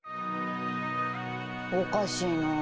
おかしいなあ。